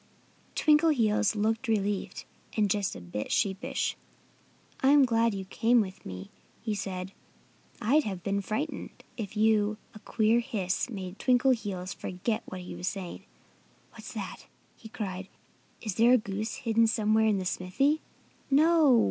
Twinkleheels looked relieved and just a bit sheepish. "I'm glad you came with me," he said, "I'd have been frightened if you ." A queer hiss made Twinkleheels forget what he was saying. "What's that?" he cried. "Is there a goose hidden somewhere in the smithy?" "No!